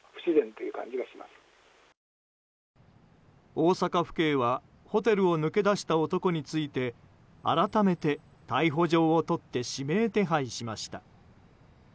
大阪府警はホテルを抜け出した男について改めて逮捕状を取って指名手配しました。